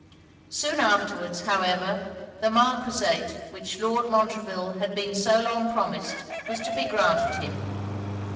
Soon afterwards, however, the Marquisate which Lord Montreville had been so long promised was to be granted him.